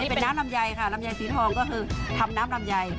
เป็นน้ำลำไยค่ะลำไยสีทองก็คือทำน้ำลำไย